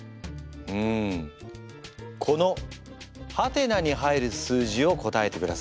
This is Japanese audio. うんこの「？」に入る数字を答えてください。